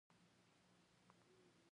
اوستاذ ناکامه کړمه.